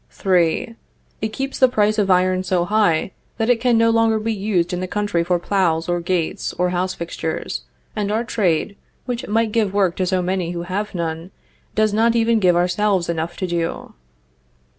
|| 3. It keeps the price of iron so high that it can | None. no longer be used in the country for plows, or gates,| or house fixtures, and our trade, which might give | work to so many who have none, does not even give | ourselves enough to do.